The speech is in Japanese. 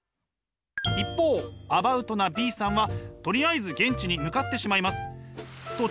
一方アバウトなＢさんはとりあえず現地に向かってしまいます。